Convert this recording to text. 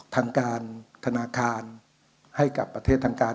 ทางการธนาคารให้กับประเทศทางการ